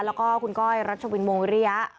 แล้วก็คุณก้อยรัชวินวงวิริยะ